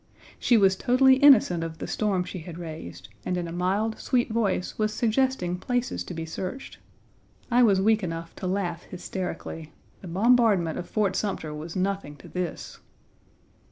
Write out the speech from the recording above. She was totally innocent of the storm she had raised, and in a mild, sweet voice was suggesting places to be searched. I was weak enough to laugh hysterically. The bombardment of Fort Sumter was nothing to this.